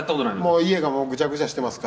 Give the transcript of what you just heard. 家がぐちゃぐちゃしてますか